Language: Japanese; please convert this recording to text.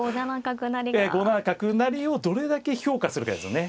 ええ５七角成をどれだけ評価するかですね。